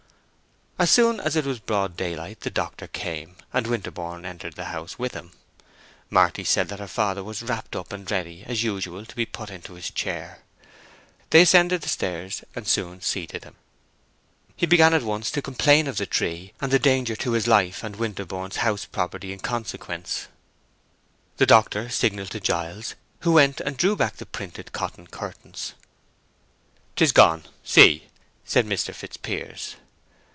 As soon as it was broad daylight the doctor came, and Winterborne entered the house with him. Marty said that her father was wrapped up and ready, as usual, to be put into his chair. They ascended the stairs, and soon seated him. He began at once to complain of the tree, and the danger to his life and Winterborne's house property in consequence. The doctor signalled to Giles, who went and drew back the printed cotton curtains. "'Tis gone, see," said Mr. Fitzpiers.